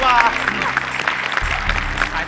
โรงเรียน